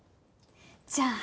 じゃあ。